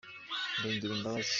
njye ngira imbabazi.